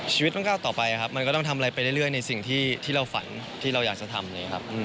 ชีวิตต้องก้าวต่อไปครับมันก็ต้องทำอะไรไปเรื่อยในสิ่งที่เราฝันที่เราอยากจะทำเลยครับ